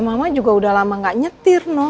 mama juga udah lama gak nyetir no